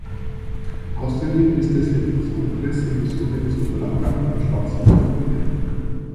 Außerdem ist es etwas anderes, Emissionen zu verlagern, anstatt sie zu verringern.